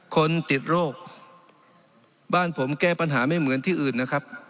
คนติดโรคบ้านผมแก้ปัญหาไม่เหมือนที่อื่นนะครับ